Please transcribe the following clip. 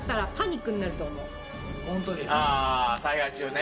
ああ災害中ね。